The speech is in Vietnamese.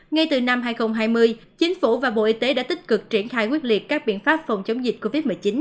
ngay từ năm hai nghìn hai mươi chính phủ và bộ y tế đã tích cực triển khai quyết liệt các biện pháp phòng chống dịch covid một mươi chín